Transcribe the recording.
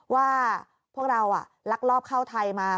ว่าพวกเราลักลอบเข้าไทยมา